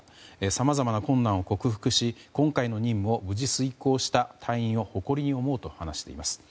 さまざまな困難を克服し今回の任務を無事遂行した隊員を誇りに思うと話しています。